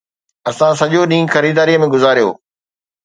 اسان سڄو ڏينهن خريداريءَ ۾ گذاريو